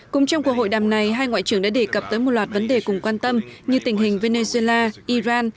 cũng trong cuộc hội đàm này hai ngoại trưởng đã đề cập tới một loạt vấn đề cùng quan tâm như tình hình venezuela iran